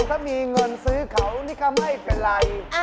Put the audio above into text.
ถ้ามีเงินซื้อเขานี่ก็ไม่เป็นไร